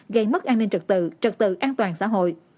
gây mất an ninh trật tự trật tự an toàn xã hội